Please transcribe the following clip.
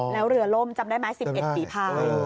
แล้วเรือล่มจำได้ไหม๑๑ฝีภาย